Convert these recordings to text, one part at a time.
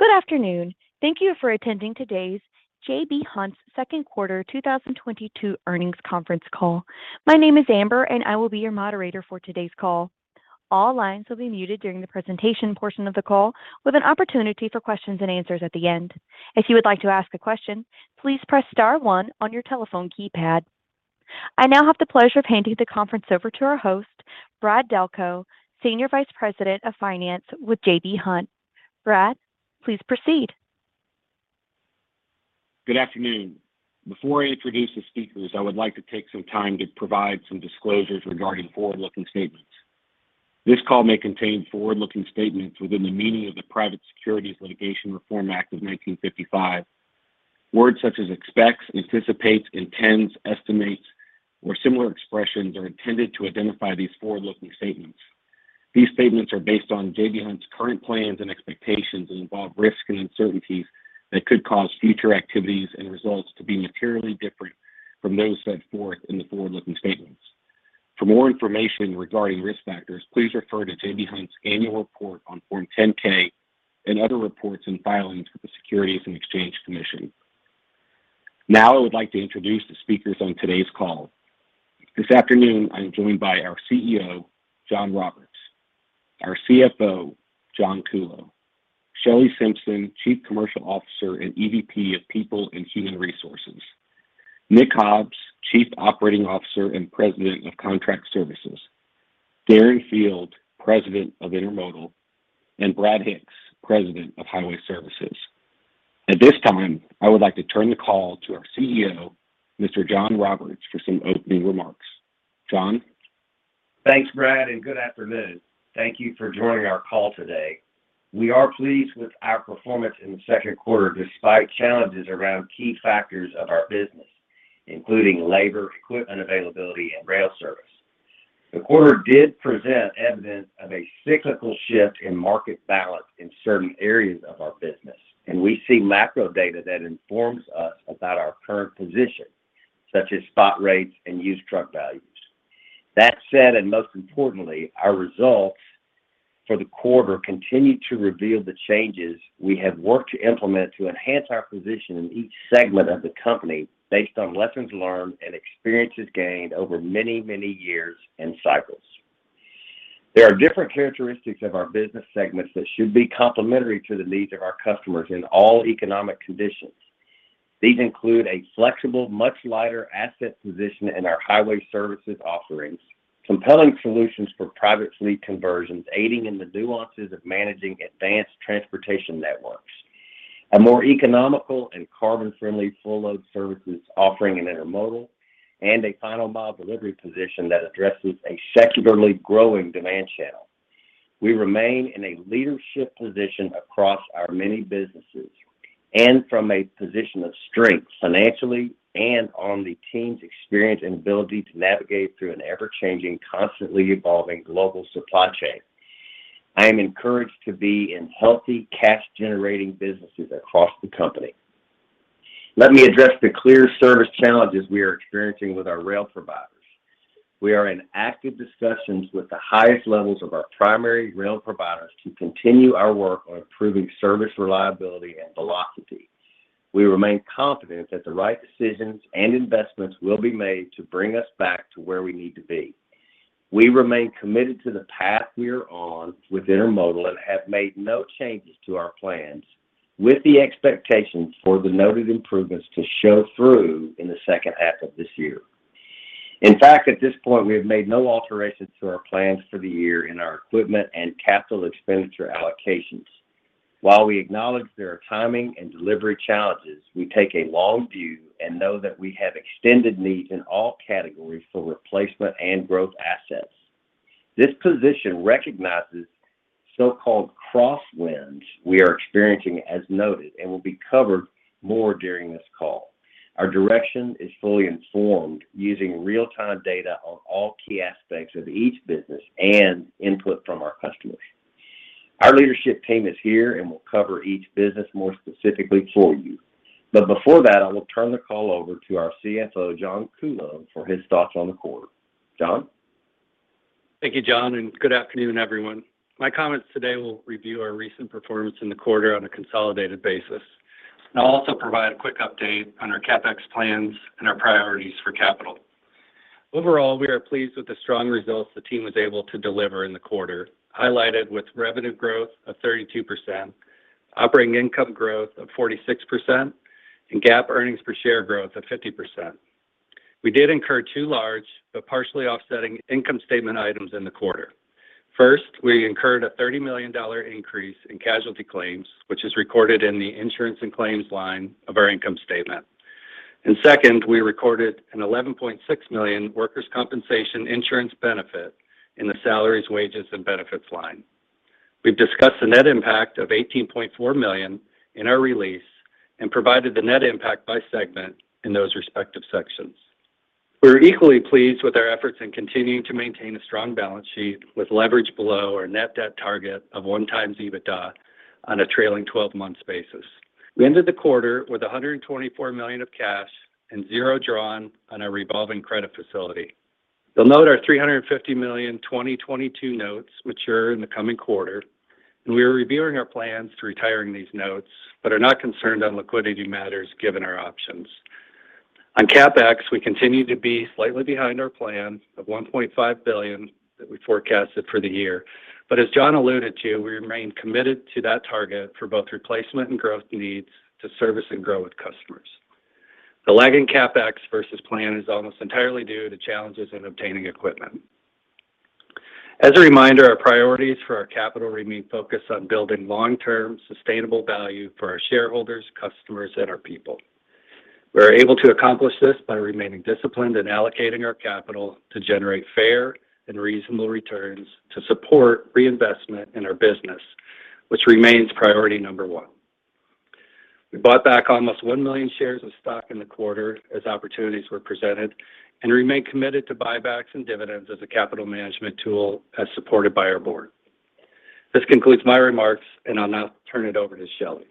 Good afternoon. Thank you for attending today's J.B. Hunt Second Quarter 2022 Earnings Conference Call. My name is Amber, and I will be your moderator for today's call. All lines will be muted during the presentation portion of the call, with an opportunity for questions and answers at the end. If you would like to ask a question, please press star one on your telephone keypad. I now have the pleasure of handing the conference over to our host, Brad Delco, Senior Vice President of Finance with J.B. Hunt. Brad, please proceed. Good afternoon. Before I introduce the speakers, I would like to take some time to provide some disclosures regarding forward-looking statements. This call may contain forward-looking statements within the meaning of the Private Securities Litigation Reform Act of 1995. Words such as expects, anticipates, intends, estimates, or similar expressions are intended to identify these forward-looking statements. These statements are based on J.B. Hunt's current plans and expectations and involve risks and uncertainties that could cause future activities and results to be materially different from those set forth in the forward-looking statements. For more information regarding risk factors, please refer to J.B. Hunt's annual report on Form 10-K and other reports and filings with the Securities and Exchange Commission. Now, I would like to introduce the speakers on today's call. This afternoon, I am joined by our Chief Executive Officer, John Roberts, our Chief Financial Officer, John Kuhlow, Shelley Simpson, Chief Commercial Officer and Executive Vice President of People and Human Resources, Nick Hobbs, Chief Operating Officer and President of Contract Services, Darren Field, President of Intermodal, and Brad Hicks, President of Highway Services. At this time, I would like to turn the call to our Chief Executive Officer, Mr. John Roberts, for some opening remarks. John? Thanks, Brad, and good afternoon. Thank you for joining our call today. We are pleased with our performance in the second quarter despite challenges around key factors of our business, including labor, equipment availability, and rail service. The quarter did present evidence of a cyclical shift in market balance in certain areas of our business, and we see macro data that informs us about our current position, such as spot rates and used truck values. That said, and most importantly, our results for the quarter continued to reveal the changes we have worked to implement to enhance our position in each segment of the company based on lessons learned and experiences gained over many, many years and cycles. There are different characteristics of our business segments that should be complementary to the needs of our customers in all economic conditions. These include a flexible, much lighter asset position in our Highway Services offerings, compelling solutions for private fleet conversions aiding in the nuances of managing advanced transportation networks, a more economical and carbon-friendly full load services offering in Intermodal, and a final mile delivery position that addresses a secularly growing demand channel. We remain in a leadership position across our many businesses and from a position of strength financially and on the team's experience and ability to navigate through an ever-changing, constantly evolving global supply chain. I am encouraged to be in healthy cash-generating businesses across the company. Let me address the clear service challenges we are experiencing with our rail providers. We are in active discussions with the highest levels of our primary rail providers to continue our work on improving service reliability and velocity. We remain confident that the right decisions and investments will be made to bring us back to where we need to be. We remain committed to the path we are on with intermodal and have made no changes to our plans with the expectations for the noted improvements to show through in the second half of this year. In fact, at this point, we have made no alterations to our plans for the year in our equipment and capital expenditure allocations. While we acknowledge there are timing and delivery challenges, we take a long view and know that we have extended needs in all categories for replacement and growth assets. This position recognizes so-called crosswinds we are experiencing as noted and will be covered more during this call. Our direction is fully informed using real-time data on all key aspects of each business and input from our customers. Our leadership team is here and will cover each business more specifically for you. Before that, I will turn the call over to our Chief Financial Officer, John Kuhlow, for his thoughts on the quarter. John? Thank you John, and good afternoon everyone. My comments today will review our recent performance in the quarter on a consolidated basis, and I'll also provide a quick update on our CapEx plans and our priorities for capital. Overall, we are pleased with the strong results the team was able to deliver in the quarter, highlighted with revenue growth of 32%, operating income growth of 46%, and GAAP earnings per share growth of 50%. We did incur two large but partially offsetting income statement items in the quarter. First, we incurred a $30 million increase in casualty claims, which is recorded in the insurance and claims line of our income statement. Second, we recorded a $11.6 million workers' compensation insurance benefit in the salaries, wages, and benefits line. We've discussed the net impact of $18.4 million in our release and provided the net impact by segment in those respective sections. We're equally pleased with our efforts in continuing to maintain a strong balance sheet with leverage below our net debt target of 1x EBITDA on a trailing 12 month basis. We ended the quarter with $124 million of cash and zero drawn on our revolving credit facility. You'll note our $350 million 2022 notes mature in the coming quarter, and we are reviewing our plans to retire these notes, but are not concerned on liquidity matters given our options. On CapEx, we continue to be slightly behind our plan of $1.5 billion that we forecasted for the year. As John alluded to, we remain committed to that target for both replacement and growth needs to service and grow with customers. The lagging CapEx versus plan is almost entirely due to challenges in obtaining equipment. As a reminder, our priorities for our capital remain focused on building long-term sustainable value for our shareholders, customers, and our people. We are able to accomplish this by remaining disciplined and allocating our capital to generate fair and reasonable returns to support reinvestment in our business, which remains priority number one. We bought back almost 1 million shares of stock in the quarter as opportunities were presented and remain committed to buybacks and dividends as a capital management tool as supported by our board. This concludes my remarks, and I'll now turn it over to Shelley.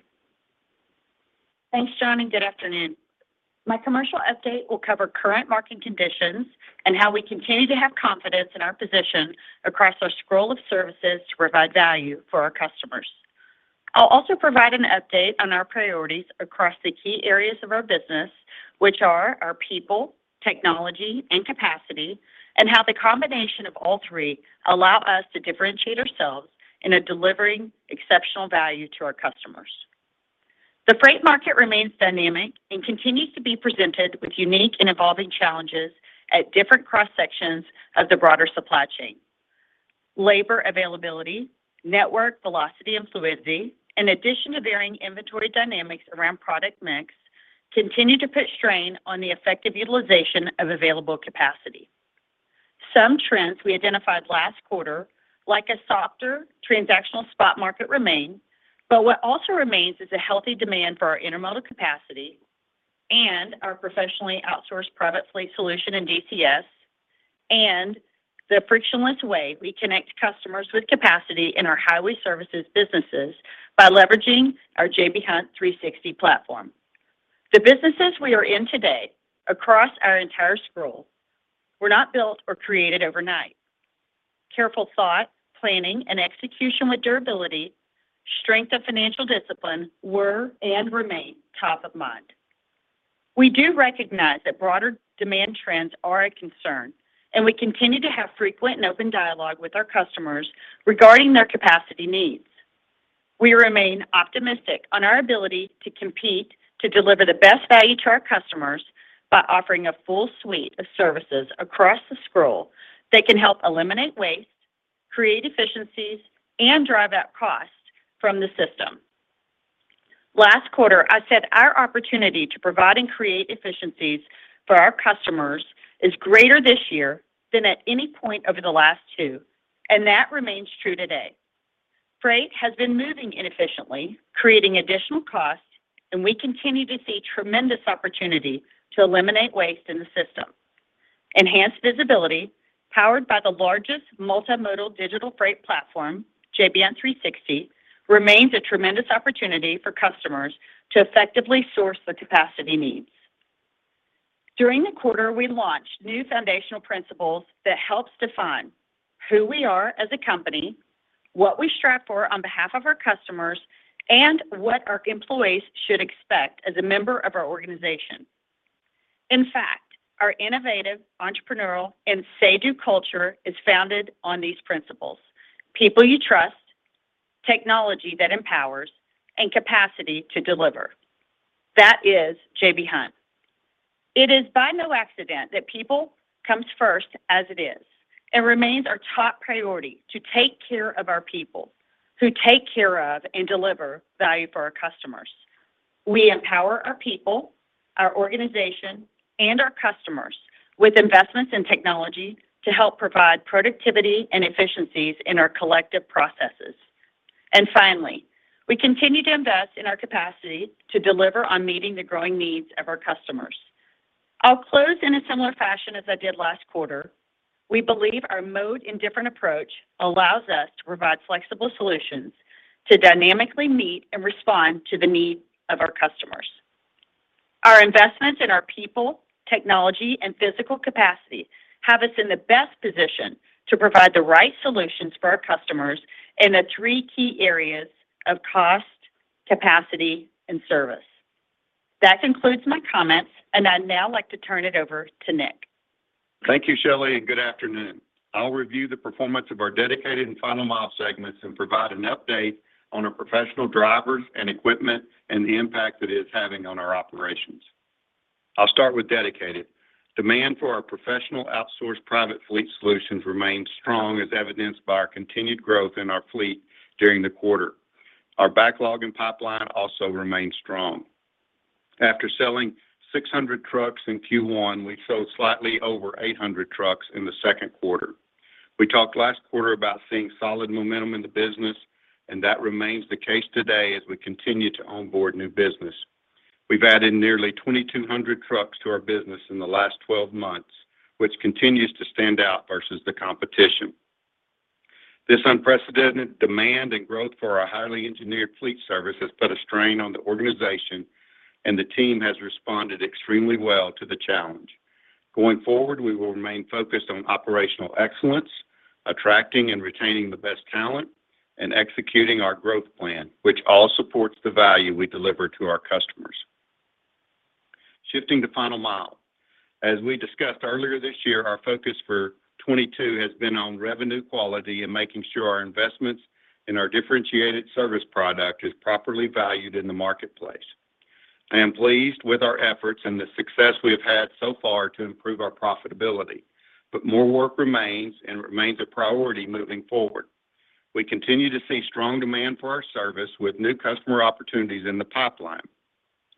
Thanks John, and good afternoon. My commercial update will cover current market conditions and how we continue to have confidence in our position across our suite of services to provide value for our customers. I'll also provide an update on our priorities across the key areas of our business, which are our people, technology, and capacity, and how the combination of all three allow us to differentiate ourselves in delivering exceptional value to our customers. The freight market remains dynamic and continues to be presented with unique and evolving challenges at different cross-sections of the broader supply chain. Labor availability, network velocity and fluidity, in addition to varying inventory dynamics around product mix, continue to put strain on the effective utilization of available capacity. Some trends we identified last quarter, like a softer transactional spot market, remain, but what also remains is a healthy demand for our intermodal capacity and our professionally outsourced private fleet solution in DCS and the frictionless way we connect customers with capacity in our highway services businesses by leveraging our J.B. Hunt 360° platform. The businesses we are in today across our entire portfolio were not built or created overnight. Careful thought, planning, and execution with durability, strength of financial discipline were and remain top of mind. We do recognize that broader demand trends are a concern, and we continue to have frequent and open dialogue with our customers regarding their capacity needs. We remain optimistic on our ability to compete to deliver the best value to our customers by offering a full suite of services across the supply chain that can help eliminate waste, create efficiencies, and drive out costs from the system. Last quarter, I said our opportunity to provide and create efficiencies for our customers is greater this year than at any point over the last two, and that remains true today. Freight has been moving inefficiently, creating additional costs, and we continue to see tremendous opportunity to eliminate waste in the system. Enhanced visibility, powered by the largest multimodal digital freight platform, J.B. Hunt 360°, remains a tremendous opportunity for customers to effectively source the capacity needs. During the quarter, we launched new foundational principles that helps define who we are as a company, what we strive for on behalf of our customers, and what our employees should expect as a member of our organization. In fact, our innovative, entrepreneurial, and say-do culture is founded on these principles, people you trust, technology that empowers, and capacity to deliver. That is J.B. Hunt. It is by no accident that people comes first as it is, and remains our top priority to take care of our people who take care of and deliver value for our customers. We empower our people, our organization, and our customers with investments in technology to help provide productivity and efficiencies in our collective processes. Finally, we continue to invest in our capacity to deliver on meeting the growing needs of our customers. I'll close in a similar fashion as I did last quarter. We believe our mode and different approach allows us to provide flexible solutions to dynamically meet and respond to the needs of our customers. Our investment in our people, technology, and physical capacity have us in the best position to provide the right solutions for our customers in the three key areas of cost, capacity, and service. That concludes my comments, and I'd now like to turn it over to Nick. Thank you, Shelley, and good afternoon. I'll review the performance of our dedicated and final mile segments and provide an update on our professional drivers and equipment and the impact it is having on our operations. I'll start with Dedicated. Demand for our professional outsourced private fleet solutions remains strong, as evidenced by our continued growth in our fleet during the quarter. Our backlog and pipeline also remain strong. After selling 600 trucks in Q1, we sold slightly over 800 trucks in the second quarter. We talked last quarter about seeing solid momentum in the business, and that remains the case today as we continue to onboard new business. We've added nearly 2,200 trucks to our business in the last 12 months, which continues to stand out versus the competition. This unprecedented demand and growth for our highly engineered fleet service has put a strain on the organization, and the team has responded extremely well to the challenge. Going forward, we will remain focused on operational excellence, attracting and retaining the best talent, and executing our growth plan, which all supports the value we deliver to our customers. Shifting to final mile. As we discussed earlier this year, our focus for 2022 has been on revenue quality and making sure our investments in our differentiated service product is properly valued in the marketplace. I am pleased with our efforts and the success we have had so far to improve our profitability. More work remains and remains a priority moving forward. We continue to see strong demand for our service with new customer opportunities in the pipeline.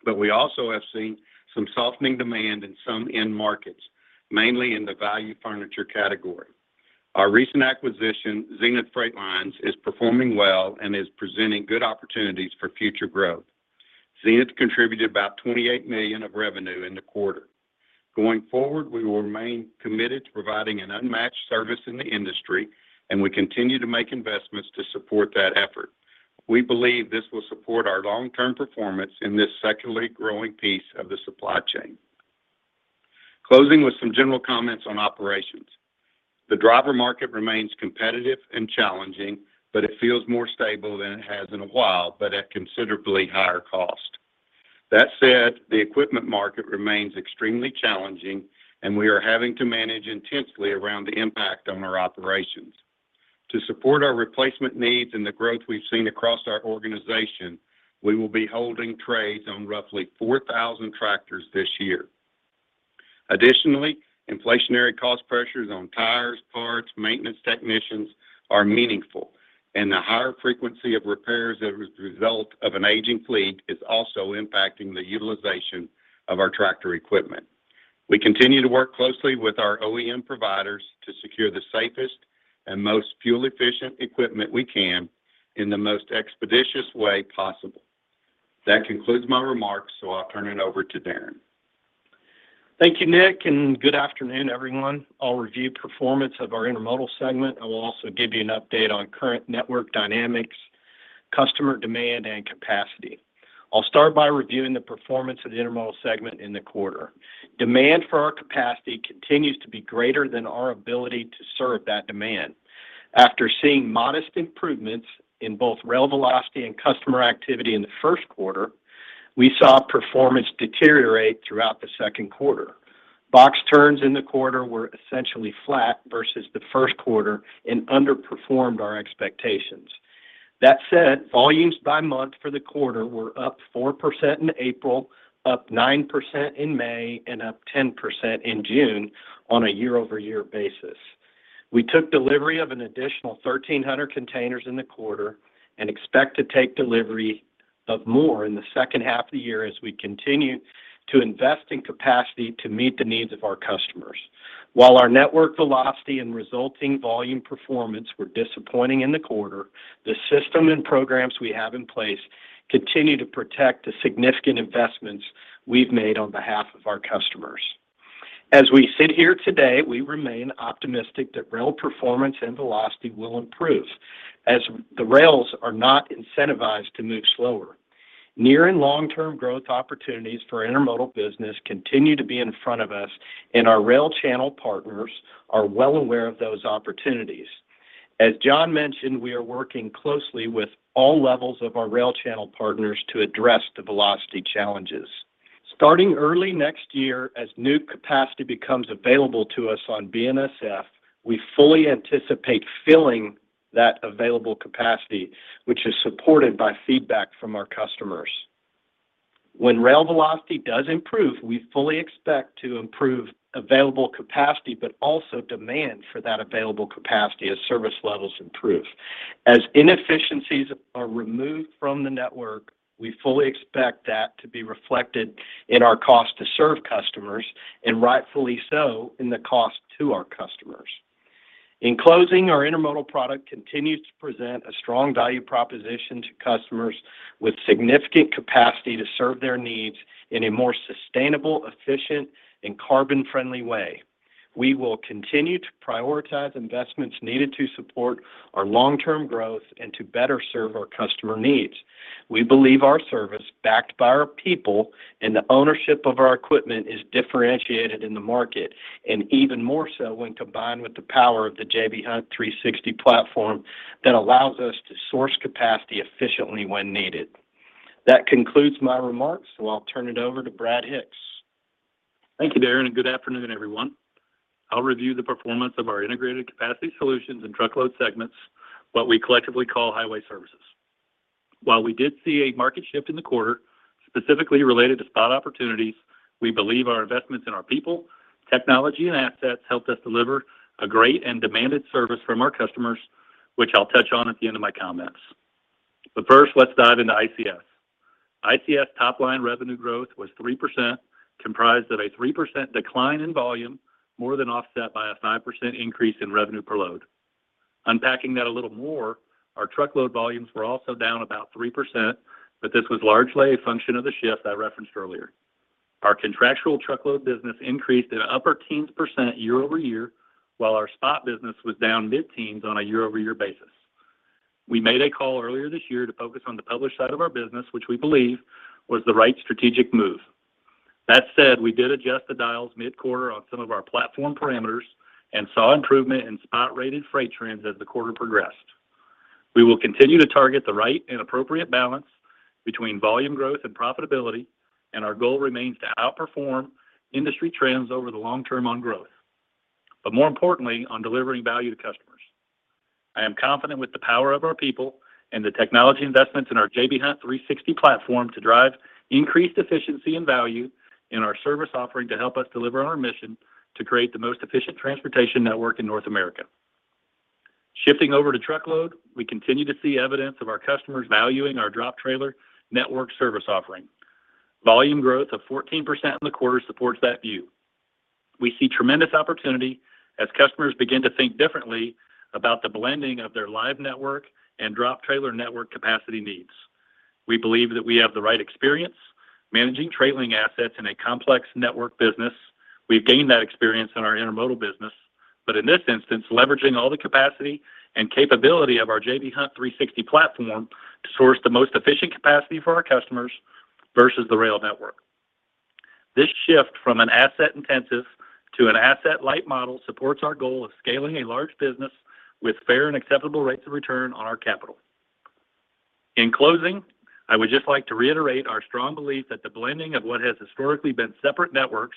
We also have seen some softening demand in some end markets, mainly in the value furniture category. Our recent acquisition, Zenith Freight Lines, is performing well and is presenting good opportunities for future growth. Zenith contributed about $28 million of revenue in the quarter. Going forward, we will remain committed to providing an unmatched service in the industry, and we continue to make investments to support that effort. We believe this will support our long-term performance in this secularly growing piece of the supply chain. Closing with some general comments on operations. The driver market remains competitive and challenging, but it feels more stable than it has in a while, but at considerably higher cost. That said, the equipment market remains extremely challenging, and we are having to manage intensely around the impact on our operations. To support our replacement needs and the growth we've seen across our organization, we will be holding trades on roughly 4,000 tractors this year. Additionally, inflationary cost pressures on tires, parts, maintenance technicians are meaningful, and the higher frequency of repairs as a result of an aging fleet is also impacting the utilization of our tractor equipment. We continue to work closely with our OEM providers to secure the safest and most fuel-efficient equipment we can in the most expeditious way possible. That concludes my remarks, so I'll turn it over to Darren. Thank you, Nick, and good afternoon, everyone. I'll review performance of our Intermodal segment. I will also give you an update on current network dynamics, customer demand, and capacity. I'll start by reviewing the performance of the Intermodal segment in the quarter. Demand for our capacity continues to be greater than our ability to serve that demand. After seeing modest improvements in both rail velocity and customer activity in the first quarter, we saw performance deteriorate throughout the second quarter. Box turns in the quarter were essentially flat versus the first quarter and underperformed our expectations. That said, volumes by month for the quarter were up 4% in April, up 9% in May, and up 10% in June on a year-over-year basis. We took delivery of an additional 1,300 containers in the quarter and expect to take delivery of more in the second half of the year as we continue to invest in capacity to meet the needs of our customers. While our network velocity and resulting volume performance were disappointing in the quarter, the system and programs we have in place continue to protect the significant investments we've made on behalf of our customers. As we sit here today, we remain optimistic that rail performance and velocity will improve as the rails are not incentivized to move slower. Near- and long-term growth opportunities for our Intermodal business continue to be in front of us, and our rail channel partners are well aware of those opportunities. As John mentioned, we are working closely with all levels of our rail channel partners to address the velocity challenges. Starting early next year, as new capacity becomes available to us on BNSF, we fully anticipate filling that available capacity, which is supported by feedback from our customers. When rail velocity does improve, we fully expect to improve available capacity but also demand for that available capacity as service levels improve. As inefficiencies are removed from the network, we fully expect that to be reflected in our cost to serve customers, and rightfully so, in the cost to our customers. In closing, our Intermodal product continues to present a strong value proposition to customers with significant capacity to serve their needs in a more sustainable, efficient, and carbon-friendly way. We will continue to prioritize investments needed to support our long-term growth and to better serve our customer needs. We believe our service, backed by our people and the ownership of our equipment, is differentiated in the market, and even more so when combined with the power of the J.B. Hunt 360° platform that allows us to source capacity efficiently when needed. That concludes my remarks, so I'll turn it over to Brad Hicks. Thank you Darren, and good afternoon, everyone. I'll review the performance of our integrated Capacity Solutions and Truckload segments, what we collectively call Highway Services. While we did see a market shift in the quarter, specifically related to spot opportunities, we believe our investments in our people, technology, and assets helped us deliver a great and demanded service from our customers, which I'll touch on at the end of my comments. First, let's dive into ICS. ICS top-line revenue growth was 3%, comprised of a 3% decline in volume, more than offset by a 5% increase in revenue per load. Unpacking that a little more, our truckload volumes were also down about 3%, but this was largely a function of the shift I referenced earlier. Our contractual truckload business increased in upper teens% year-over-year, while our spot business was down mid-teens% on a year-over-year basis. We made a call earlier this year to focus on the published side of our business, which we believe was the right strategic move. That said, we did adjust the dials mid-quarter on some of our platform parameters and saw improvement in spot rated freight trends as the quarter progressed. We will continue to target the right and appropriate balance between volume growth and profitability, and our goal remains to outperform industry trends over the long term on growth. More importantly, on delivering value to customers. I am confident with the power of our people and the technology investments in our. J.B. Hunt 360° platform to drive increased efficiency and value in our service offering to help us deliver on our mission to create the most efficient transportation network in North America. Shifting over to truckload, we continue to see evidence of our customers valuing our drop trailer network service offering. Volume growth of 14% in the quarter supports that view. We see tremendous opportunity as customers begin to think differently about the blending of their live network and drop trailer network capacity needs. We believe that we have the right experience managing trailer assets in a complex network business. We've gained that experience in our intermodal business. In this instance, leveraging all the capacity and capability of our J.B. Hunt 360° platform to source the most efficient capacity for our customers versus the rail network. This shift from an asset-intensive to an asset-light model supports our goal of scaling a large business with fair and acceptable rates of return on our capital. In closing, I would just like to reiterate our strong belief that the blending of what has historically been separate networks,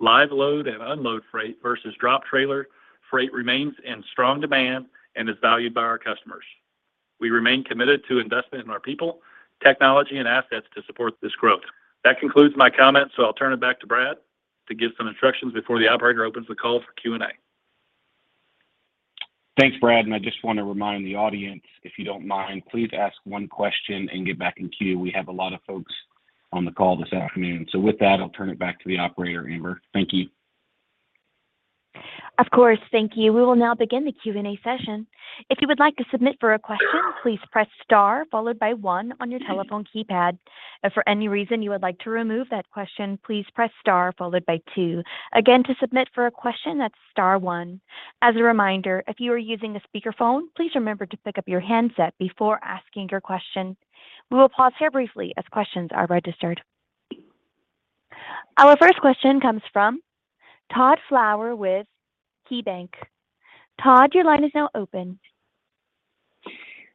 live load and unload freight versus drop trailer freight, remains in strong demand and is valued by our customers. We remain committed to investment in our people, technology, and assets to support this growth. That concludes my comments, so I'll turn it back to Brad to give some instructions before the operator opens the call for Q&A. Thanks, Brad, and I just want to remind the audience, if you don't mind, please ask one question and get back in queue. We have a lot of folks on the call this afternoon. With that, I'll turn it back to the operator, Amber. Thank you. Of course Thank you. We will now begin the Q&A session. If you would like to submit for a question, please press star followed by one on your telephone keypad. If for any reason you would like to remove that question, please press star followed by two. Again, to submit for a question, that's star one. As a reminder, if you are using a speakerphone, please remember to pick up your handset before asking your question. We will pause here briefly as questions are registered. Our first question comes from Todd Fowler with KeyBanc. Todd, your line is now open.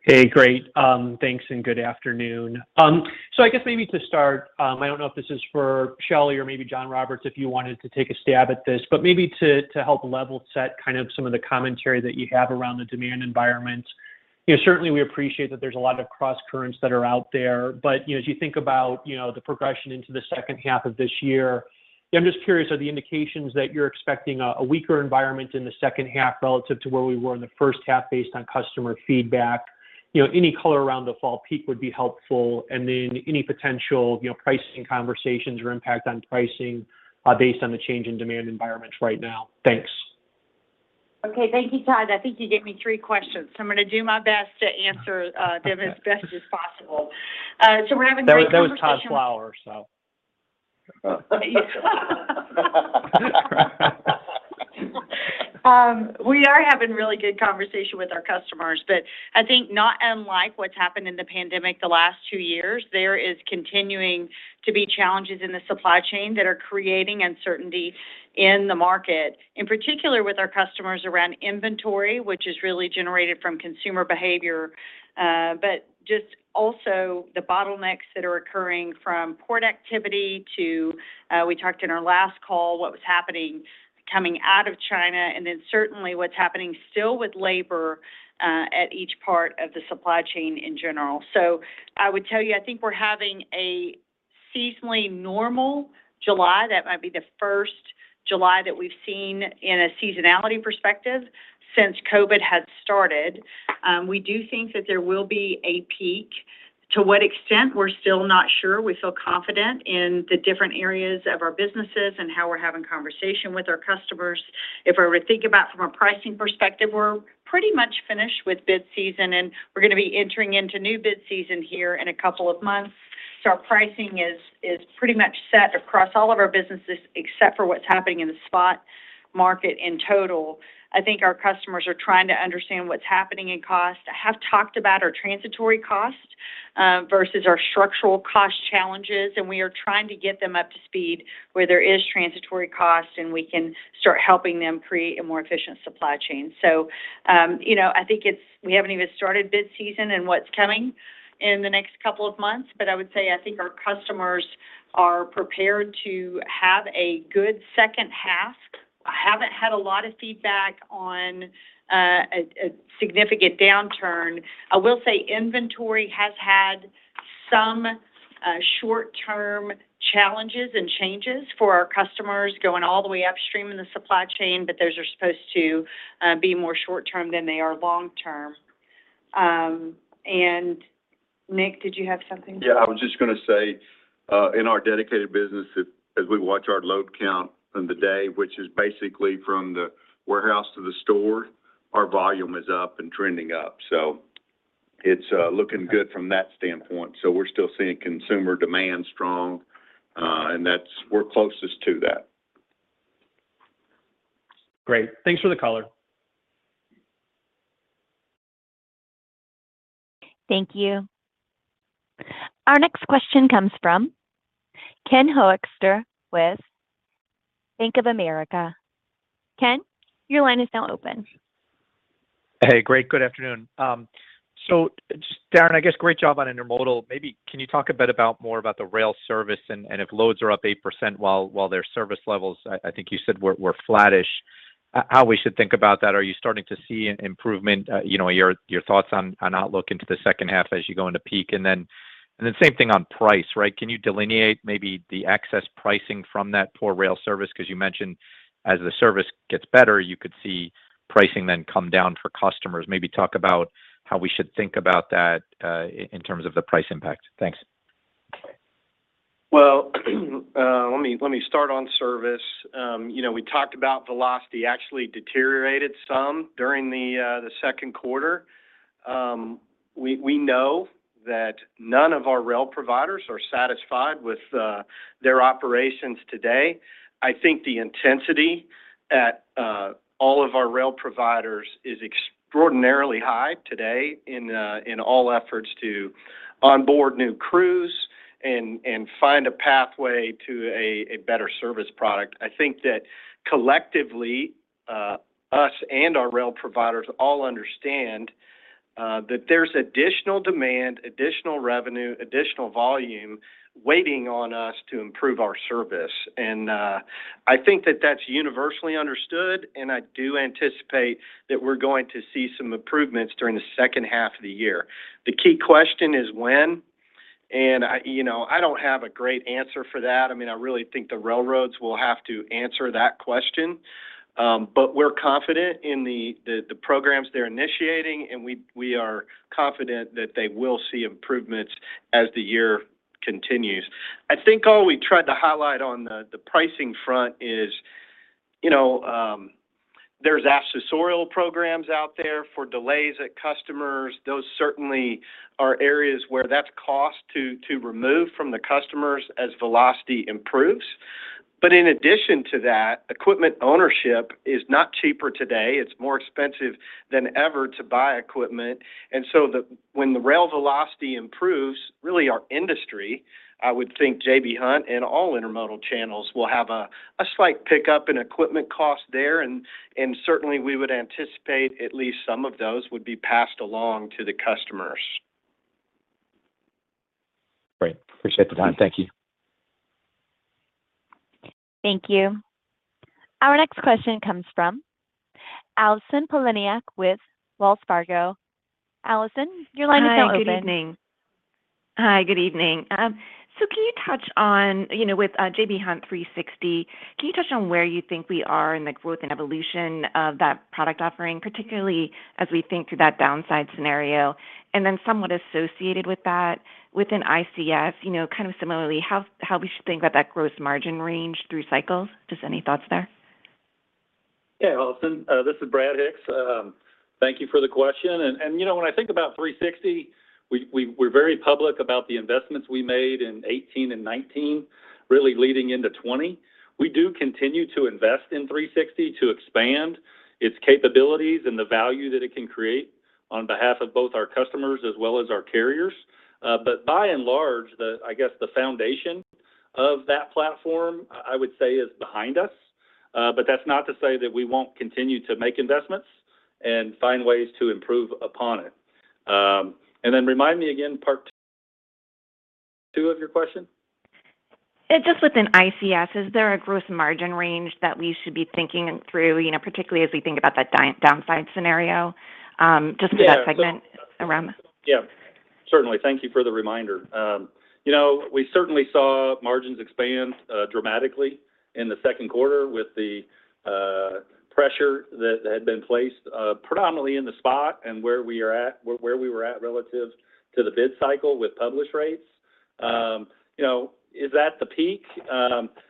Hey great Thanks, and good afternoon. So I guess maybe to start, I don't know if this is for Shelley or maybe John Roberts, if you wanted to take a stab at this, but maybe to help level set kind of some of the commentary that you have around the demand environment. You know, certainly we appreciate that there's a lot of crosscurrents that are out there. You know, as you think about the progression into the second half of this year, I'm just curious, are the indications that you're expecting a weaker environment in the second half relative to where we were in the first half based on customer feedback? You know, any color around the fall peak would be helpful. Any potential you know, pricing conversations or impact on pricing, based on the change in demand environment right now. Thanks. Okay Thank you Todd. I think you gave me three questions. I'm going to do my best to answer them as best as possible. We're having great conversation. That was Todd Fowler, so. We are having really good conversation with our customers, but I think not unlike what's happened in the pandemic the last two years, there is continuing to be challenges in the supply chain that are creating uncertainty in the market. In particular with our customers around inventory, which is really generated from consumer behavior, but just also the bottlenecks that are occurring from port activity to, we talked in our last call what was happening coming out of China, and then certainly what's happening still with labor, at each part of the supply chain in general. I would tell you, I think we're having a seasonally normal July. That might be the first July that we've seen in a seasonality perspective since COVID had started. We do think that there will be a peak. To what extent, we're still not sure. We feel confident in the different areas of our businesses and how we're having conversation with our customers. If I were to think about from a pricing perspective, we're pretty much finished with bid season, and we're going to be entering into new bid season here in a couple of months. Our pricing is pretty much set across all of our businesses, except for what's happening in the spot market in total. I think our customers are trying to understand what's happening in cost. I have talked about our transitory costs versus our structural cost challenges, and we are trying to get them up to speed where there is transitory costs, and we can start helping them create a more efficient supply chain. You know, I think it's. We haven't even started bid season and what's coming in the next couple of months, but I would say I think our customers are prepared to have a good second half. I haven't had a lot of feedback on a significant downturn. I will say inventory has had some short-term challenges and changes for our customers going all the way upstream in the supply chain, but those are supposed to be more short term than they are long term. Nick, did you have something to add? Yeah, I was just going to say, in our dedicated business, as we watch our load count in the day, which is basically from the warehouse to the store, our volume is up and trending up. It's looking good from that standpoint. We're still seeing consumer demand strong, and we're closest to that. Great. Thanks for the color. Thank you. Our next question comes from Ken Hoexter with Bank of America. Ken, your line is now open. Hey great good afternoon Just, Darren, I guess great job on intermodal. Maybe can you talk a bit more about the rail service and if loads are up 8% while their service levels, I think you said were flattish, how we should think about that. Are you starting to see an improvement? You know, your thoughts on outlook into the second half as you go into peak. Then same thing on price, right? Can you delineate maybe the excess pricing from that poor rail service? Because you mentioned as the service gets better, you could see pricing then come down for customers. Maybe talk about how we should think about that, in terms of the price impact. Thanks. Well let me start on service. You know, we talked about velocity actually deteriorated some during the second quarter. We know that none of our rail providers are satisfied with their operations today. I think the intensity at all of our rail providers is extraordinarily high today in all efforts to onboard new crews and find a pathway to a better service product. I think that collectively, us and our rail providers all understand that there's additional demand, additional revenue, additional volume waiting on us to improve our service. I think that that's universally understood, and I do anticipate that we're going to see some improvements during the second half of the year. The key question is when, and you know, I don't have a great answer for that. I mean, I really think the railroads will have to answer that question. But we're confident in the programs they're initiating, and we are confident that they will see improvements as the year continues. I think all we tried to highlight on the pricing front is you know, there's accessorial programs out there for delays at customers. Those certainly are areas where that's cost to remove from the customers as velocity improves. But in addition to that, equipment ownership is not cheaper today. It's more expensive than ever to buy equipment. When the rail velocity improves, really our industry, I would think J.B. Hunt and all intermodal channels will have a slight pickup in equipment cost there, and certainly we would anticipate at least some of those would be passed along to the customers. Great. Appreciate the time. Thank you. Thank you. Our next question comes from Allison Poliniak with Wells Fargo. Allison, your line is now open. Hi good evening. Can you touch on, you know, with J.B. Hunt 360°, where you think we are in like growth and evolution of that product offering, particularly as we think through that downside scenario? Somewhat associated with that within ICS, you know, kind of similarly, how we should think about that gross margin range through cycles? Just any thoughts there? Yeah Allison this is Brad Hicks. Thank you for the question. You know, when I think about J.B. Hunt 360°, we're very public about the investments we made in 2018 and 2019, really leading into 2020. We do continue to invest in J.B. Hunt 360° to expand its capabilities and the value that it can create on behalf of both our customers as well as our carriers. But by and large, I guess, the foundation of that platform, I would say, is behind us. But that's not to say that we won't continue to make investments and find ways to improve upon it. Remind me again, part two of your question. Just within ICS, is there a gross margin range that we should be thinking through you know, particularly as we think about that downside scenario, just for that segment around. Yeah Certainly. Thank you for the reminder. You know we certainly saw margins expand dramatically in the second quarter with the pressure that had been placed predominantly in the spot and where we were at relative to the bid cycle with published rates. You know, is that the peak?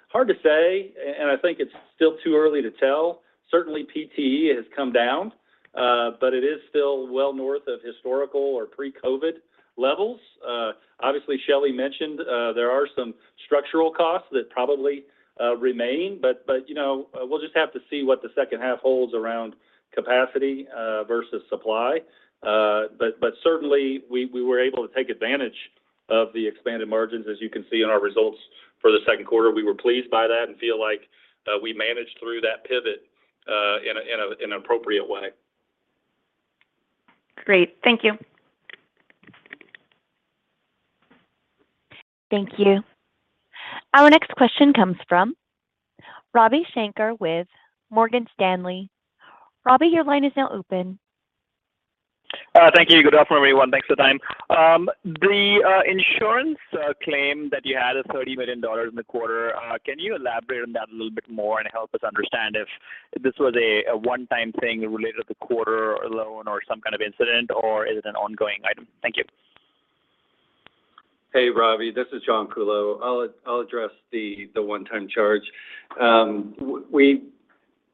Hard to say, and I think it's still too early to tell. Certainly PTL has come down, but it is still well north of historical or pre-COVID levels. Obviously, Shelley mentioned there are some structural costs that probably remain, but you know, we'll just have to see what the second half holds around capacity versus supply. Certainly we were able to take advantage of the expanded margins, as you can see in our results for the second quarter. We were pleased by that and feel like we managed through that pivot in an appropriate way. Great. Thank you. Thank you. Our next question comes from Ravi Shanker with Morgan Stanley. Ravi, your line is now open. Thank you. Good afternoon, everyone. Thanks for the time. The insurance claim that you had is $30 million in the quarter. Can you elaborate on that a little bit more and help us understand if this was a one-time thing related to the quarter alone or some kind of incident, or is it an ongoing item? Thank you. Hey Ravi this is John Kuhlow. I'll address the one-time charge. We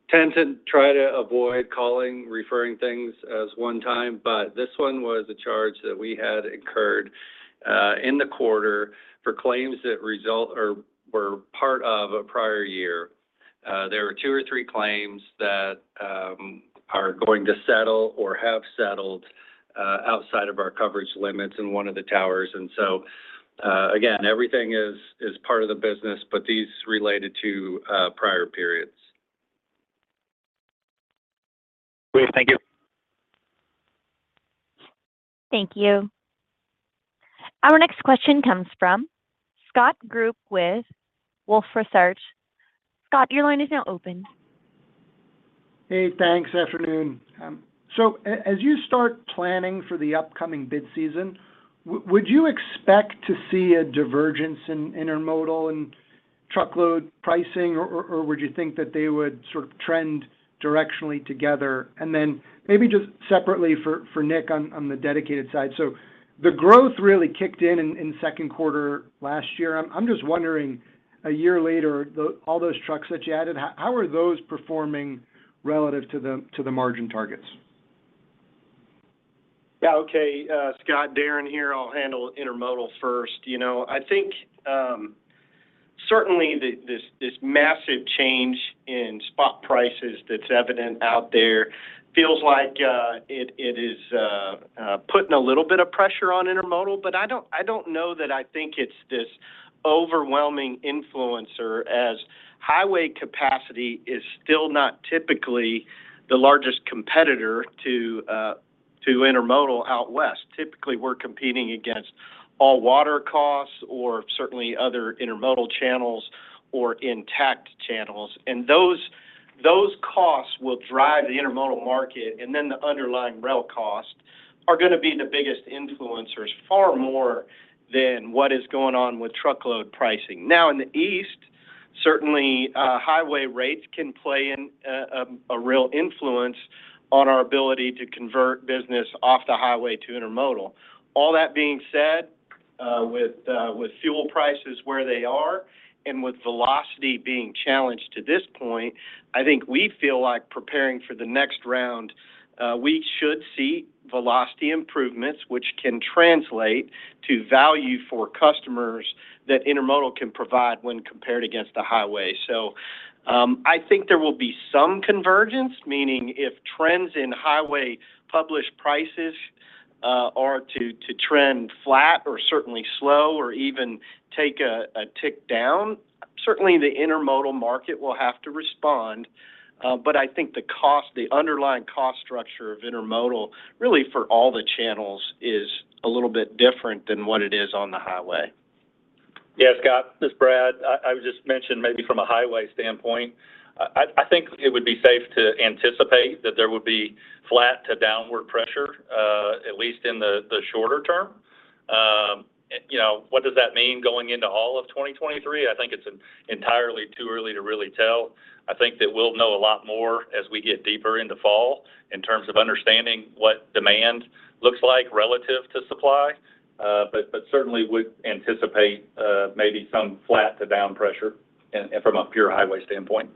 tend to try to avoid calling, referring things as one time, but this one was a charge that we had incurred in the quarter for claims that result or were part of a prior year. There were two or three claims that are going to settle or have settled outside of our coverage limits in one of the towers. Again, everything is part of the business, but these related to prior periods. Great. Thank you. Thank you. Our next question comes from Scott Group with Wolfe Research. Scott, your line is now open. Hey thanks Afternoon. As you start planning for the upcoming bid season, would you expect to see a divergence in intermodal and truckload pricing or would you think that they would sort of trend directionally together? Then maybe just separately for Nick on the dedicated side. The growth really kicked in in second quarter last year. I'm just wondering, a year later, all those trucks that you added, how are those performing relative to the margin targets? Yeah Okay Scott, Darren here, I'll handle intermodal first. You know, I think certainly this massive change in spot prices that's evident out there feels like it is putting a little bit of pressure on intermodal. I don't know that I think it's this overwhelming influencer as highway capacity is still not typically the largest competitor to intermodal out west. Typically, we're competing against all water costs or certainly other intermodal channels or intact channels. Those costs will drive the intermodal market, and then the underlying rail cost are gonna be the biggest influencers, far more than what is going on with truckload pricing. Now in the east, certainly highway rates can play in a real influence on our ability to convert business off the highway to intermodal. All that being said, with fuel prices where they are and with velocity being challenged to this point, I think we feel like preparing for the next round, we should see velocity improvements, which can translate to value for customers that intermodal can provide when compared against the highway. I think there will be some convergence, meaning if trends in highway published prices are to trend flat or certainly slow or even take a tick down, certainly the intermodal market will have to respond. I think the cost, the underlying cost structure of intermodal, really for all the channels, is a little bit different than what it is on the highway. Yeah Scott this is Brad. I would just mention maybe from a highway standpoint, I think it would be safe to anticipate that there would be flat to downward pressure, at least in the shorter term. You know, what does that mean going into all of 2023? I think it's entirely too early to really tell. I think that we'll know a lot more as we get deeper into fall in terms of understanding what demand looks like relative to supply, but certainly would anticipate maybe some flat to down pressure from a pure highway standpoint.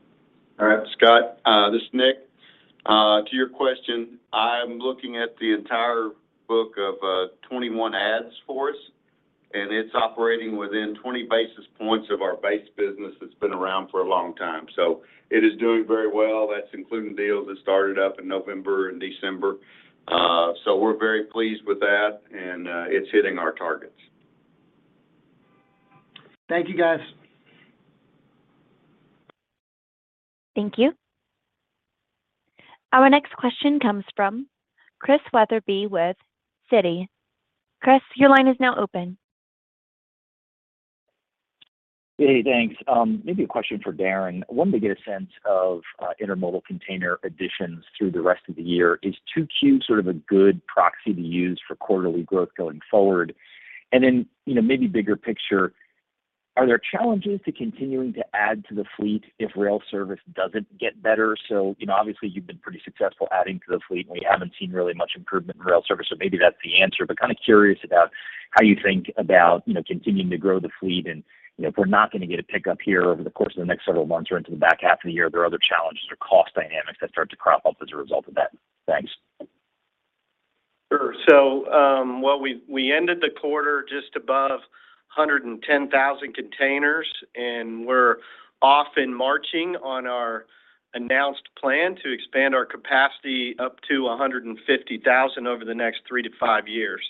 All right Scott this is Nick. To your question, I'm looking at the entire book of 21 adds for us, and it's operating within 20 basis points of our base business that's been around for a long time. It is doing very well. That's including deals that started up in November and December. We're very pleased with that, and it's hitting our targets. Thank you, guys. Thank you. Our next question comes from Christian Wetherbee with Citi. Chris, your line is now open. Hey thanks. Maybe a question for Darren. Wanted to get a sense of intermodal container additions through the rest of the year. Is 2Q sort of a good proxy to use for quarterly growth going forward? You know, maybe bigger picture, are there challenges to continuing to add to the fleet if rail service doesn't get better? You know, obviously, you've been pretty successful adding to the fleet, and we haven't seen really much improvement in rail service, so maybe that's the answer. Kinda curious about how you think about, you know, continuing to grow the fleet. You know, if we're not gonna get a pickup here over the course of the next several months or into the back half of the year, are there other challenges or cost dynamics that start to crop up as a result of that? Thanks. Sure well, we ended the quarter just above 110,000 containers, and we're off and marching on our announced plan to expand our capacity up to 150,000 over the next three to five years.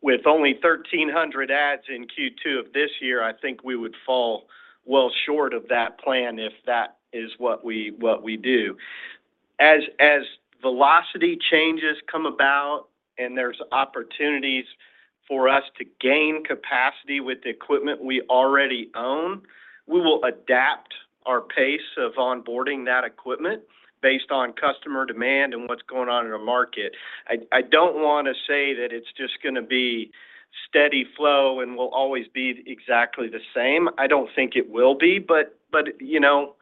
With only 1,300 adds in Q2 of this year, I think we would fall well short of that plan if that is what we do. As velocity changes come about and there's opportunities for us to gain capacity with the equipment we already own, we will adapt our pace of onboarding that equipment based on customer demand and what's going on in the market. I don't wanna say that it's just gonna be steady flow and will always be exactly the same. I don't think it will be. You know,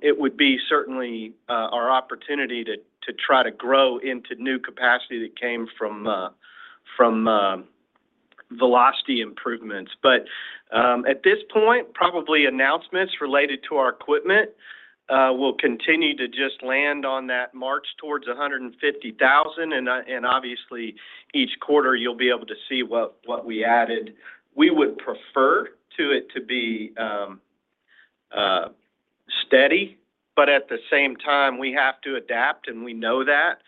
it would be certainly our opportunity to try to grow into new capacity that came from velocity improvements. At this point, probably announcements related to our equipment will continue to just land on that march towards 150,000. Obviously, each quarter you'll be able to see what we added. We would prefer it to be steady, but at the same time, we have to adapt, and we know that.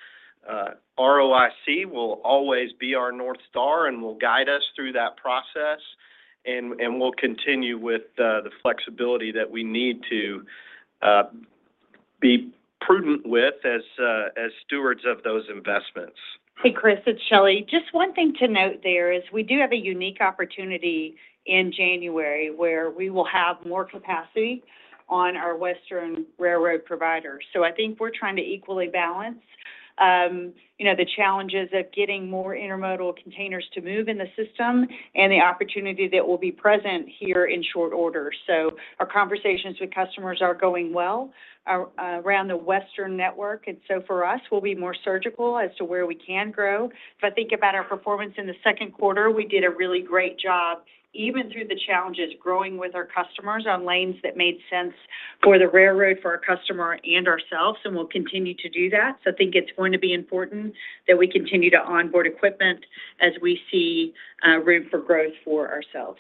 ROIC will always be our North Star and will guide us through that process. We'll continue with the flexibility that we need to be prudent with as stewards of those investments. Hey Chris, it's Shelley. Just one thing to note there. We do have a unique opportunity in January where we will have more capacity on our western railroad provider. I think we're trying to equally balance, you know, the challenges of getting more intermodal containers to move in the system and the opportunity that will be present here in short order. Our conversations with customers are going well around the Western network, and so for us, we'll be more surgical as to where we can grow. If I think about our performance in the second quarter, we did a really great job, even through the challenges, growing with our customers on lanes that made sense for the railroad, for our customer and ourselves, and we'll continue to do that. I think it's going to be important that we continue to onboard equipment as we see room for growth for ourselves.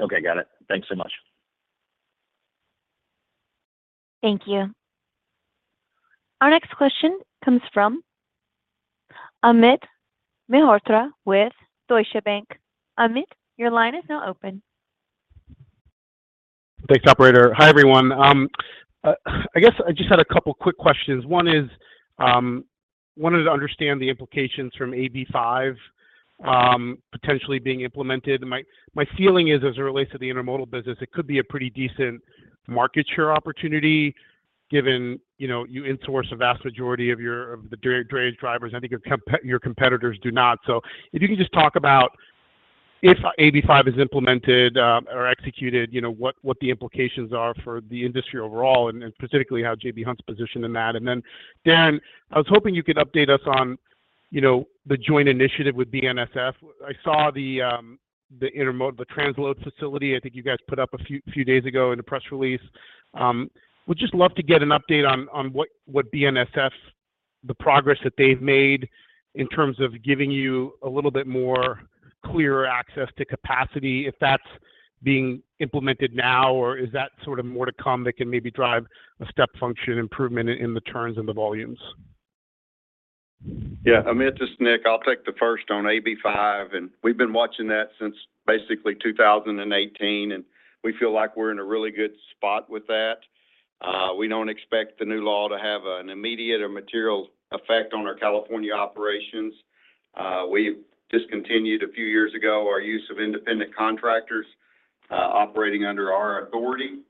Okay. Got it. Thanks so much. Thank you. Our next question comes from Amit Mehrotra with Deutsche Bank. Amit, your line is now open. Thanks operator. Hi everyone. I guess I just had a couple quick questions. One is, wanted to understand the implications from AB5, potentially being implemented. My feeling is as it relates to the intermodal business, it could be a pretty decent market share opportunity given, you know, you insource a vast majority of your, of the drayage drivers. I think your competitors do not. If you can just talk about if AB5 is implemented, or executed, you know, what the implications are for the industry overall, and specifically how J.B. Hunt's positioned in that. Dan, I was hoping you could update us on, you know, the joint initiative with BNSF. I saw the transload facility I think you guys put up a few days ago in a press release. Would just love to get an update on what BNSF, the progress that they've made in terms of giving you a little bit more clearer access to capacity, if that's being implemented now, or is that sort of more to come that can maybe drive a step function improvement in the turns and the volumes? Yeah Amit, this is Nick. I'll take the first on AB5, and we've been watching that since basically 2018, and we feel like we're in a really good spot with that. We don't expect the new law to have an immediate or material effect on our California operations. We've discontinued a few years ago our use of independent contractors operating under our authority.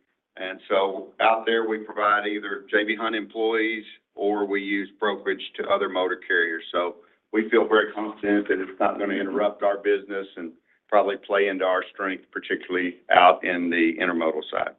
Out there, we provide either J.B. Hunt employees or we use brokerage to other motor carriers. We feel very confident that it's not gonna interrupt our business and probably play into our strength, particularly out in the intermodal side.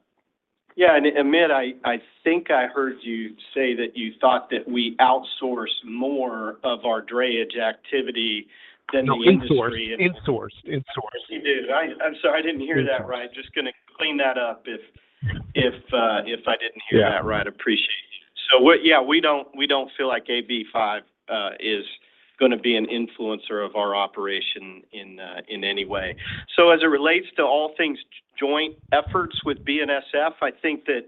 Yeah. Amit, I think I heard you say that you thought that we outsource more of our drayage activity than the industry. No, insource. Yes you did. I'm sorry. I didn't hear that right. Just gonna clean that up if I didn't hear that right. Yeah. Appreciate you. Yeah, we don't feel like AB5 is gonna be an influencer of our operation in any way. As it relates to all things joint efforts with BNSF, I think that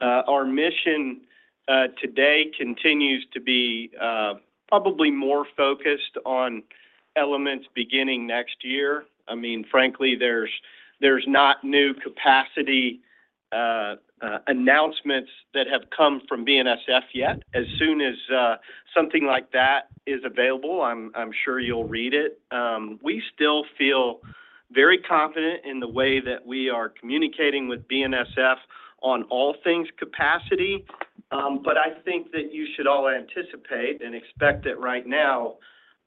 our mission today continues to be probably more focused on elements beginning next year. I mean frankly there's not new capacity announcements that have come from BNSF yet. As soon as something like that is available, I'm sure you'll read it. We still feel very confident in the way that we are communicating with BNSF on all things capacity. I think that you should all anticipate and expect that right now,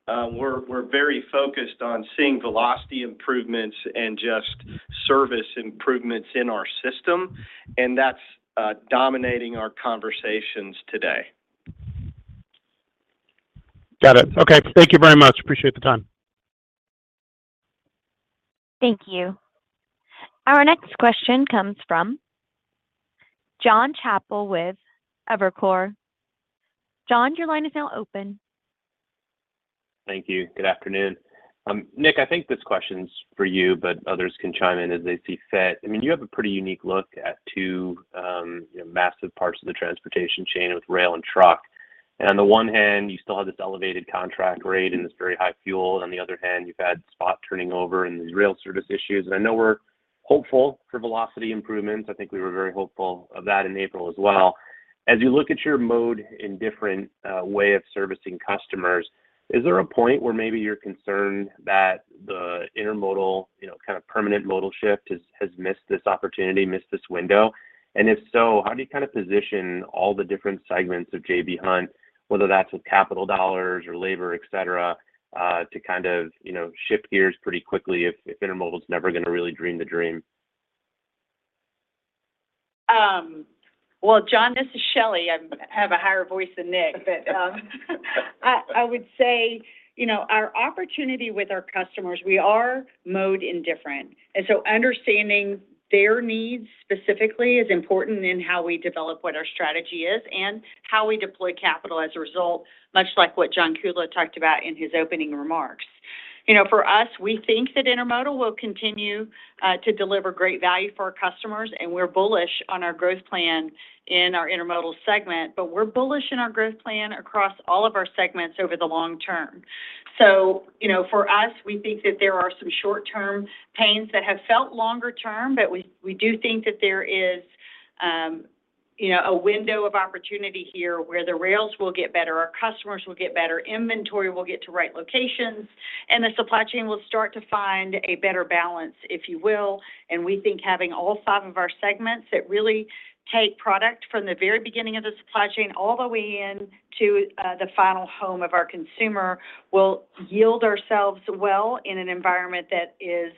we're very focused on seeing velocity improvements and just service improvements in our system, and that's dominating our conversations today. Got it Okay. Thank you very much. Appreciate the time. Thank you. Our next question comes from Jon Chappell with Evercore. Jon, your line is now open. Thank you. Good afternoon. Nick, I think this question's for you, but others can chime in as they see fit. I mean, you have a pretty unique look at two massive parts of the transportation chain with rail and truck. On the one hand, you still have this elevated contract rate and this very high fuel. On the other hand, you've had spot turning over and these rail service issues. I know we're hopeful for velocity improvements. I think we were very hopeful of that in April as well. As you look at your mode in different way of servicing customers, is there a point where maybe you're concerned that the intermodal, you know, kind of permanent modal shift has missed this opportunity, missed this window? If so, how do you kind of position all the different segments of J.B. Hunt, whether that's with capital dollars or labor, et cetera, to kind of, you know shift gears pretty quickly if intermodal is never gonna really dream the dream? Well John this is Shelley. I have a higher voice than Nick, but I would say you know our opportunity with our customers, we are mode indifferent. Understanding their needs specifically is important in how we develop what our strategy is and how we deploy capital as a result, much like what John Kuhlow talked about in his opening remarks. You know for us, we think that intermodal will continue to deliver great value for our customers, and we're bullish on our growth plan in our intermodal segment, but we're bullish in our growth plan across all of our segments over the long term. You know for us we think that there are some short-term pains that have felt longer term, but we do think that there is you know a window of opportunity here where the rails will get better, our customers will get better inventory will get to right locations, and the supply chain will start to find a better balance, if you will. We think having all five of our segments that really take product from the very beginning of the supply chain all the way in to the final home of our consumer will yield ourselves well in an environment that is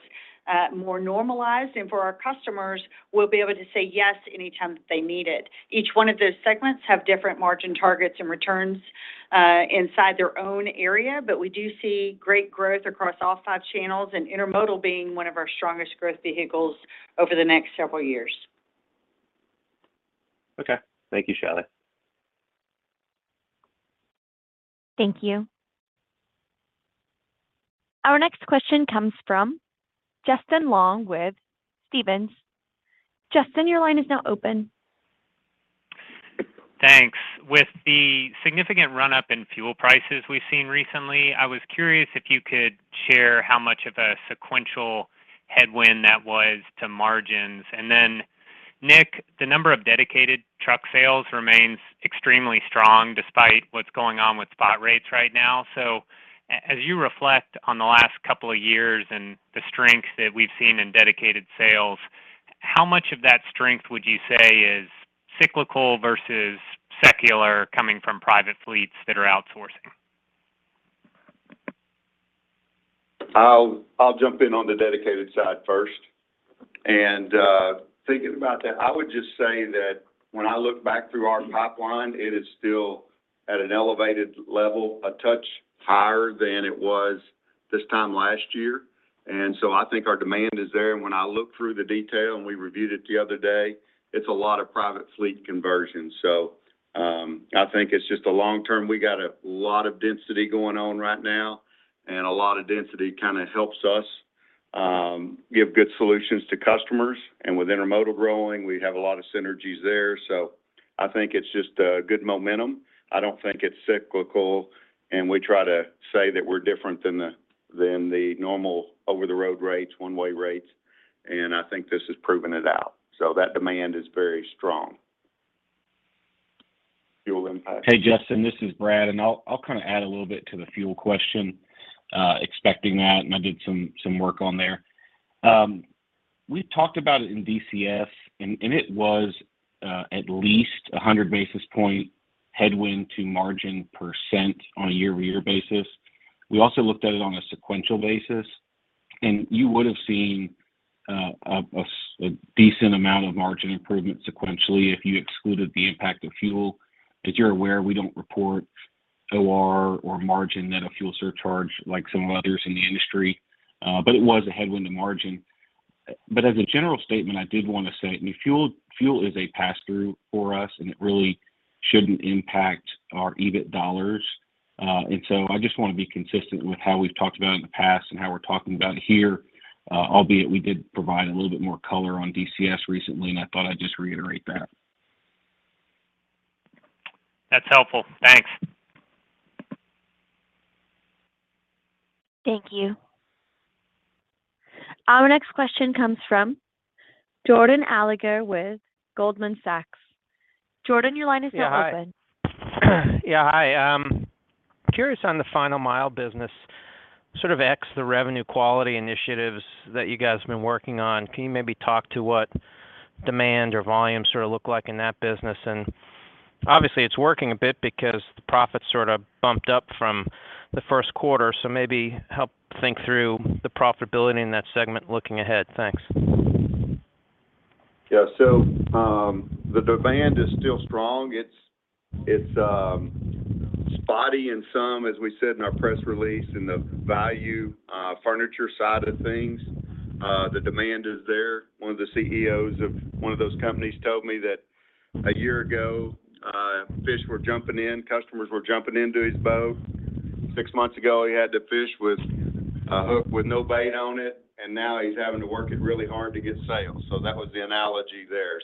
more normalized. For our customers, we'll be able to say yes anytime that they need it. Each one of those segments have different margin targets and returns inside their own area, but we do see great growth across all five channels, and intermodal being one of our strongest growth vehicles over the next several years. Okay. Thank you, Shelley. Thank you. Our next question comes from Justin Long with Stephens. Justin, your line is now open. Thanks. With the significant run-up in fuel prices we've seen recently, I was curious if you could share how much of a sequential headwind that was to margins. Nick, the number of dedicated truck sales remains extremely strong despite what's going on with spot rates right now. As you reflect on the last couple of years and the strength that we've seen in dedicated sales, how much of that strength would you say is cyclical versus secular coming from private fleets that are outsourcing? I'll jump in on the dedicated side first. Thinking about that, I would just say that when I look back through our pipeline, it is still at an elevated level, a touch higher than it was this time last year. I think our demand is there. When I look through the detail, and we reviewed it the other day, it's a lot of private fleet conversions. I think it's just a long term. We got a lot of density going on right now, and a lot of density kinda helps us, give good solutions to customers. With intermodal growing, we have a lot of synergies there. I think it's just a good momentum. I don't think it's cyclical. We try to say that we're different than the normal over-the-road rates, one-way rates, and I think this has proven it out. That demand is very strong. Fuel impact. Hey Justin this is Brad, and I'll kind of add a little bit to the fuel question, expecting that, and I did some work on there. We talked about it in DCS, and it was at least 100 basis points headwind to margin percent on a year-over-year basis. We also looked at it on a sequential basis, and you would have seen a decent amount of margin improvement sequentially if you excluded the impact of fuel. As you're aware, we don't report OR or margin net of fuel surcharge like some others in the industry, but it was a headwind to margin. As a general statement, I did want to say, I mean fuel is a pass-through for us, and it really shouldn't impact our EBIT dollars. I just want to be consistent with how we've talked about it in the past and how we're talking about it here. Albeit we did provide a little bit more color on DCS recently, and I thought I'd just reiterate that. That's helpful. Thanks. Thank you. Our next question comes from Jordan Alliger with Goldman Sachs. Jordan, your line is now open. Hi. Curious on the final mile business, sort of ex the revenue quality initiatives that you guys have been working on. Can you maybe talk to what demand or volume sort of look like in that business? Obviously it's working a bit because the profits sort of bumped up from the first quarter. Maybe help think through the profitability in that segment looking ahead. Thanks. Yeah. The demand is still strong. It's spotty in some, as we said in our press release, in the value furniture side of things. The demand is there. One of the Chief Executive Officer of one of those companies told me that a year ago, fish were jumping in, customers were jumping into his boat. Six months ago, he had to fish with a hook with no bait on it, and now he's having to work it really hard to get sales. That was the analogy there.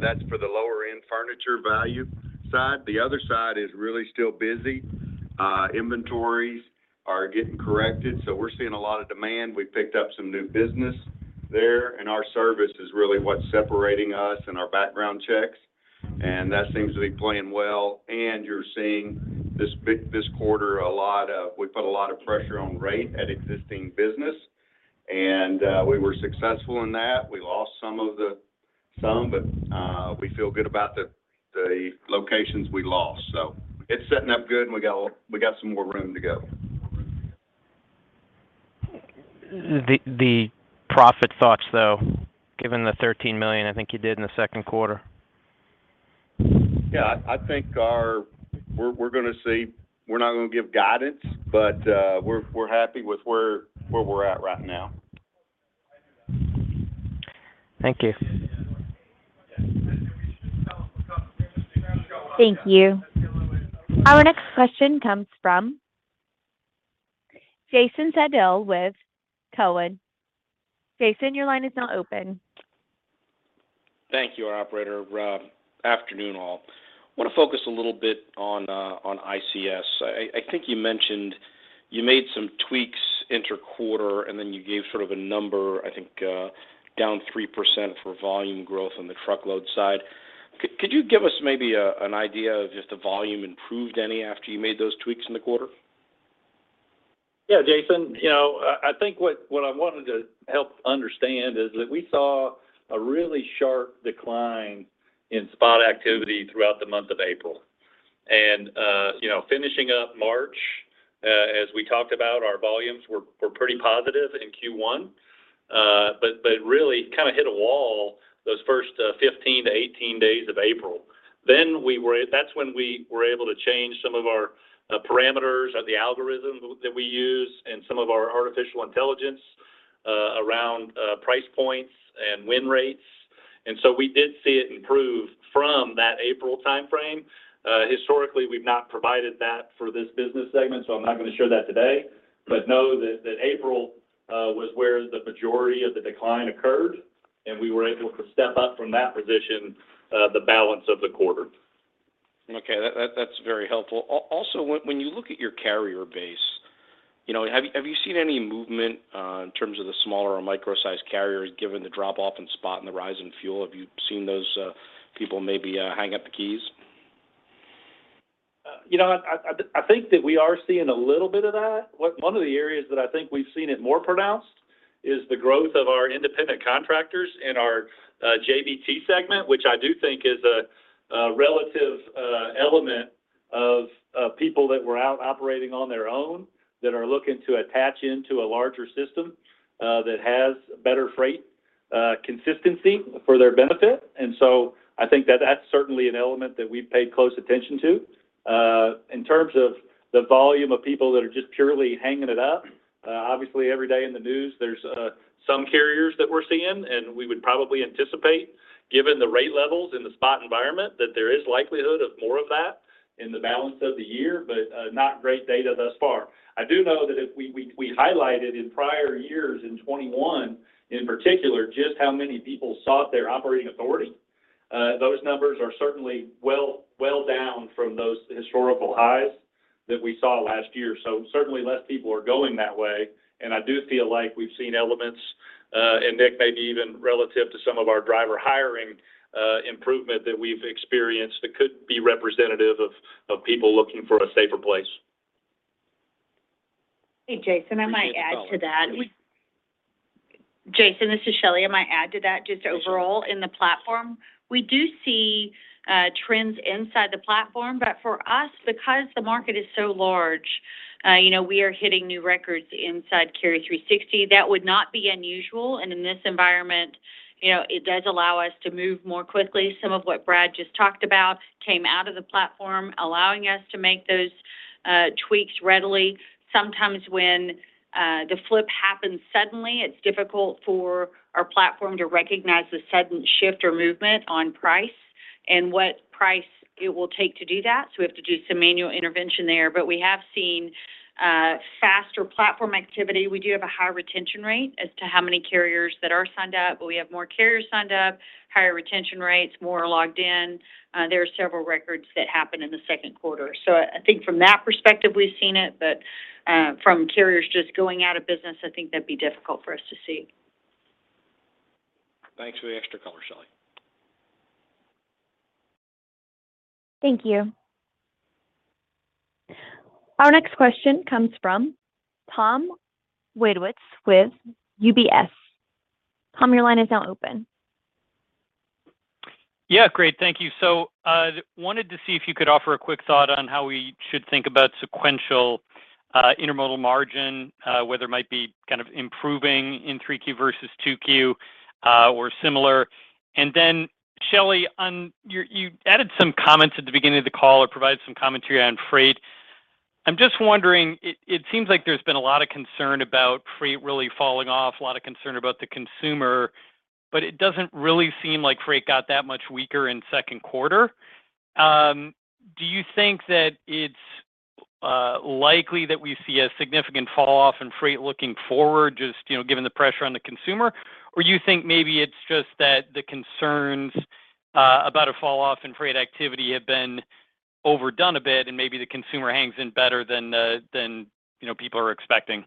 That's for the lower-end furniture value side. The other side is really still busy. Inventories are getting corrected, so we're seeing a lot of demand. We picked up some new business there, and our service is really what's separating us, and our background checks. That seems to be playing well. You're seeing this quarter we put a lot of pressure on rate at existing business, and we were successful in that. We lost some, but we feel good about the locations we lost. It's setting up good, and we got some more room to go. The profit thoughts though, given the $13 million I think you did in the second quarter. Yeah. I think we're gonna see. We're not going to give guidance, but we're happy with where we're at right now. Thank you. Thank you. Our next question comes from Jason Seidl with TD Cowen. Jason, your line is now open. Thank you operator, Afternoon all. Want to focus a little bit on ICS. I think you mentioned you made some tweaks inter-quarter, and then you gave sort of a number, I think, down 3% for volume growth on the truckload side. Could you give us maybe an idea of just the volume improved any after you made those tweaks in the quarter? Yeah Jason. You know, I think what I wanted to help understand is that we saw a really sharp decline in spot activity throughout the month of April. You know, finishing up March, as we talked about, our volumes were pretty positive in Q1, but really kind of hit a wall those first 15-18 days of April. That's when we were able to change some of our parameters of the algorithm that we use and some of our artificial intelligence around price points and win rates. So we did see it improve from that April timeframe. Historically, we've not provided that for this business segment, so I'm not going to share that today. Know that April was where the majority of the decline occurred, and we were able to step up from that position, the balance of the quarter. Okay. That's very helpful. Also, when you look at your carrier base, you know, have you seen any movement in terms of the smaller or micro-sized carriers, given the drop-off in spot and the rise in fuel? Have you seen those people maybe hang up the keys? You know, I think that we are seeing a little bit of that. One of the areas that I think we've seen it more pronounced is the growth of our independent contractors in our JBT segment, which I do think is a relative element of people that were out operating on their own that are looking to attach into a larger system that has better freight consistency for their benefit. I think that that's certainly an element that we paid close attention to. In terms of the volume of people that are just purely hanging it up, obviously every day in the news, there's some carriers that we're seeing, and we would probably anticipate, given the rate levels in the spot environment, that there is likelihood of more of that in the balance of the year, but not great data thus far. I do know that we highlighted in prior years, in 2021 in particular, just how many people sought their operating authority. Those numbers are certainly well down from those historical highs that we saw last year. Certainly less people are going that way. I do feel like we've seen elements, and Nick, maybe even relative to some of our driver hiring, improvement that we've experienced that could be representative of people looking for a safer place. Hey Jason, I might add to that. Jason, this is Shelley. I might add to that just overall in the platform. We do see trends inside the platform. For us, because the market is so large, you know, we are hitting new records inside Carrier 360. That would not be unusual. In this environment, you know, it does allow us to move more quickly. Some of what Brad just talked about came out of the platform, allowing us to make those tweaks readily. Sometimes when the flip happens suddenly, it's difficult for our platform to recognize the sudden shift or movement on price and what price it will take to do that, so we have to do some manual intervention there. We have seen faster platform activity. We do have a high retention rate as to how many carriers that are signed up. We have more carriers signed up, higher retention rates, more logged in. There are several records that happened in the second quarter. I think from that perspective, we've seen it. From carriers just going out of business, I think that'd be difficult for us to see. Thanks for the extra color, Shelley. Thank you. Our next question comes from Tom Wadewitz with UBS. Tom, your line is now open. Yeah Great, thank you. Wanted to see if you could offer a quick thought on how we should think about sequential intermodal margin, whether it might be kind of improving in 3Q versus 2Q, or similar. Shelley, you added some comments at the beginning of the call or provided some commentary on freight. I'm just wondering, it seems like there's been a lot of concern about freight really falling off, a lot of concern about the consumer, but it doesn't really seem like freight got that much weaker in second quarter. Do you think that it's likely that we see a significant fall off in freight looking forward, you know, given the pressure on the consumer? You think maybe it's just that the concerns about a fall off in freight activity have been overdone a bit and maybe the consumer hangs in better than you know people are expecting?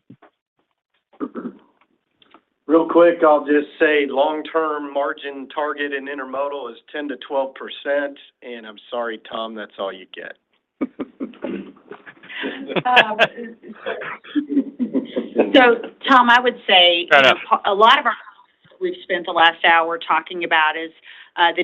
Real quick, I'll just say long-term margin target in intermodal is 10%-12%. I'm sorry, Tom that's all you get. Tom Wadewitz, I would say. Go ahead. A lot of what we've spent the last hour talking about is the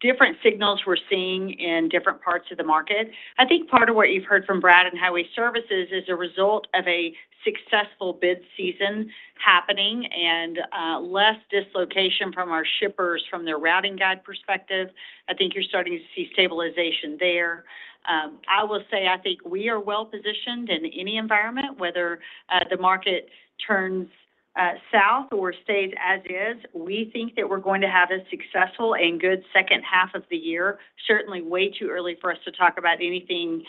different signals we're seeing in different parts of the market. I think part of what you've heard from Brad and Highway Services is a result of a successful bid season happening and less dislocation from our shippers from their routing guide perspective. I think you're starting to see stabilization there. I will say, I think we are well-positioned in any environment, whether the market turns south or stays as is. We think that we're going to have a successful and good second half of the year. Certainly way too early for us to talk about anything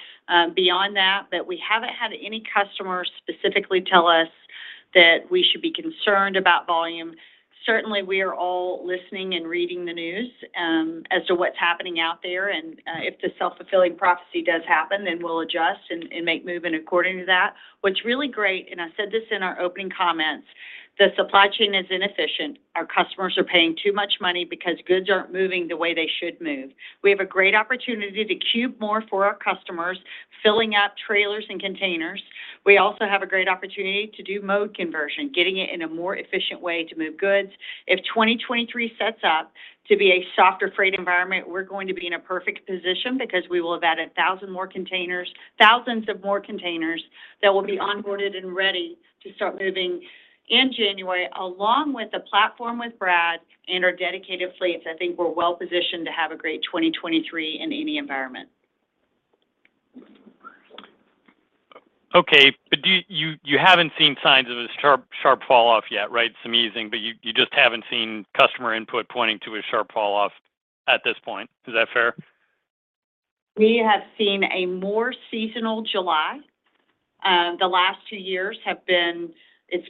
beyond that, but we haven't had any customers specifically tell us that we should be concerned about volume. Certainly, we are all listening and reading the news as to what's happening out there. If the self-fulfilling prophecy does happen, then we'll adjust and make movement according to that. What's really great, and I said this in our opening comments, the supply chain is inefficient. Our customers are paying too much money because goods aren't moving the way they should move. We have a great opportunity to cube more for our customers, filling up trailers and containers. We also have a great opportunity to do mode conversion, getting it in a more efficient way to move goods. If 2023 sets up to be a softer freight environment, we're going to be in a perfect position because we will have added 1,000 more containers, thousands of more containers that will be onboarded and ready to start moving in January, along with the platform with Brad and our dedicated fleets. I think we're well-positioned to have a great 2023 in any environment. Okay. You haven't seen signs of a sharp fall off yet right? It's amusing but you just haven't seen customer input pointing to a sharp fall off at this point. Is that fair? We have seen a more seasonal July. The last two years have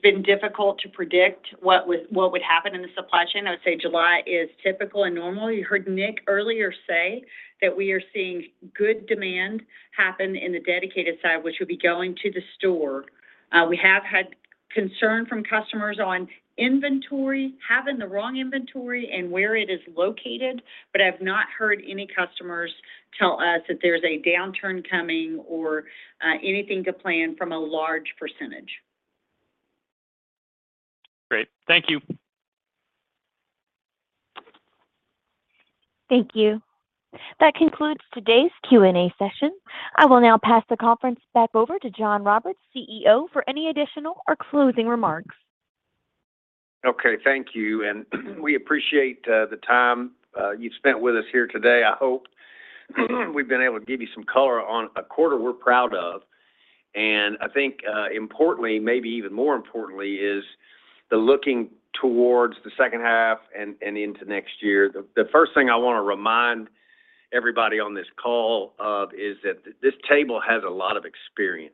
been difficult to predict what would happen in the supply chain. I would say July is typical and normal. You heard Nick earlier say that we are seeing good demand happen in the dedicated side, which would be going to the store. We have had concern from customers on inventory, having the wrong inventory and where it is located, but I've not heard any customers tell us that there's a downturn coming or anything to plan from a large percentage. Great. Thank you. Thank you. That concludes today's Q&A session. I will now pass the conference back over to John Roberts, Chief Executive Officer, for any additional or closing remarks. Okay thank you. We appreciate the time you've spent with us here today. I hope we've been able to give you some color on a quarter we're proud of. I think, importantly, maybe even more importantly, is the looking towards the second half and into next year. The first thing I want to remind everybody on this call of is that this table has a lot of experience,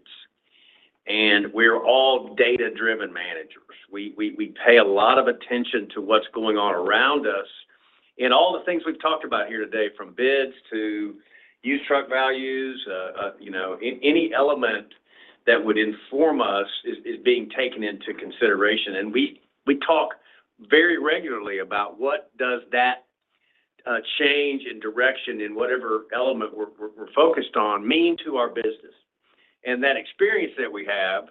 and we're all data-driven managers. We pay a lot of attention to what's going on around us. All the things we've talked about here today, from bids to used truck values, you know any element that would inform us is being taken into consideration. We talk very regularly about what does that change in direction in whatever element we're focused on mean to our business. That experience that we have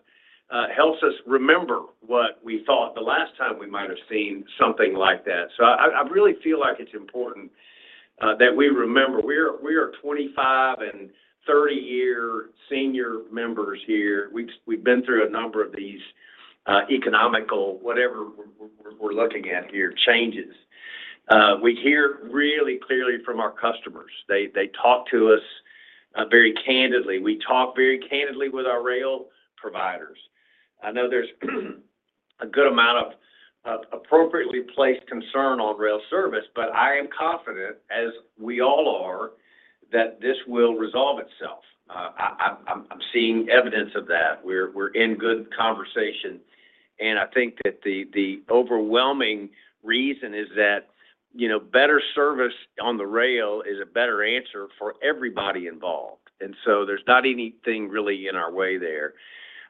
helps us remember what we thought the last time we might have seen something like that. I really feel like it's important that we remember. We are 25- and 30-year senior members here. We've been through a number of these economic, whatever we're looking at here, changes. We hear really clearly from our customers. They talk to us very candidly. We talk very candidly with our rail providers. I know there's a good amount of appropriately placed concern on rail service, but I am confident as we all are, that this will resolve itself. I'm seeing evidence of that. We're in good conversation. I think that the overwhelming reason is that you know better service on the rail is a better answer for everybody involved. There's not anything really in our way there.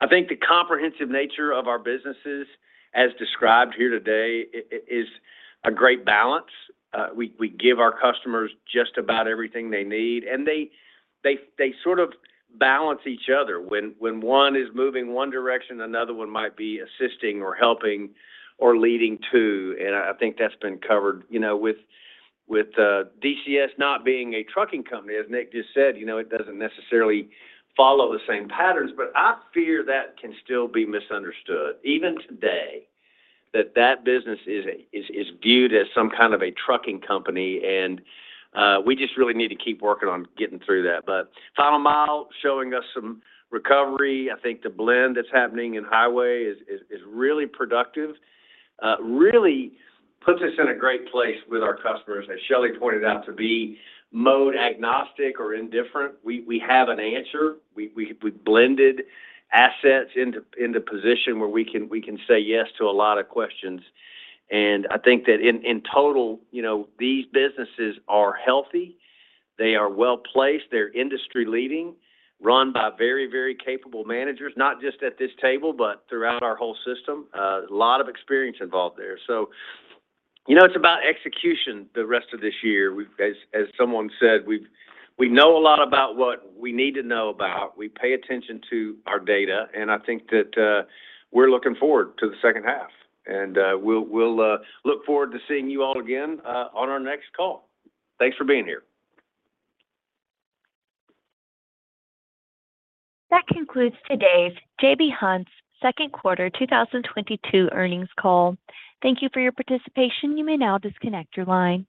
I think the comprehensive nature of our businesses as described here today is a great balance. We give our customers just about everything they need, and they sort of balance each other. When one is moving one direction, another one might be assisting or helping or leading, too. I think that's been covered. You know, with DCS not being a trucking company, as Nick just said, you know, it doesn't necessarily follow the same patterns, but I fear that can still be misunderstood even today, that that business is viewed as some kind of a trucking company. We just really need to keep working on getting through that. Final mile showing us some recovery. I think the blend that's happening in highway is really productive. Really puts us in a great place with our customers, as Shelley pointed out, to be mode agnostic or indifferent. We blended assets into position where we can say yes to a lot of questions. I think that in total, you know, these businesses are healthy. They are well-placed. They're industry-leading, run by very, very capable managers, not just at this table, but throughout our whole system. A lot of experience involved there. You know, it's about execution the rest of this year. As someone said, we know a lot about what we need to know about. We pay attention to our data, and I think that, we're looking forward to the second half. We'll look forward to seeing you all again, on our next call. Thanks for being here. That concludes today's J.B. Hunt's Second Quarter 2022 Earnings Call. Thank you for your participation. You may now disconnect your line.